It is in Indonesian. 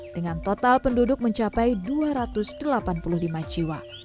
dengan total penduduk mencapai dua ratus delapan puluh lima jiwa